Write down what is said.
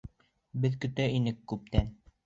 Беҙ көтә инек күптән.